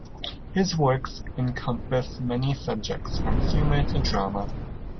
His works encompass many subjects from humour to drama.